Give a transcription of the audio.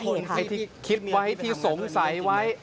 ใครที่คิดไว้ที่สงสัยไว้